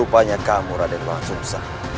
rupanya kamu raden walang sumpah